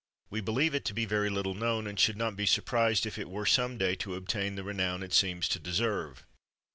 We believe it to be very little known, and should not be surprised if it were, some day, to obtain the renown it seems to deserve.